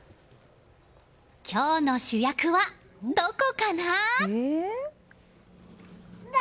今日の主役は、どこかな？